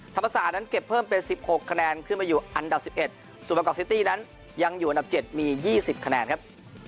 ธรรมศาสตร์นั้นเก็บเพิ่มเป็น๑๖คะแนนขึ้นมาอยู่อันดับ๑๑ส่วนประกอบซิตี้นั้นยังอยู่อันดับ๗มี๒๐คะแนนครับ